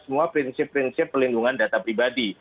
semua prinsip prinsip perlindungan data pribadi